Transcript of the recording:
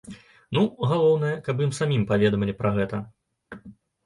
Ну, галоўнае, каб ім самім паведамілі пра гэта.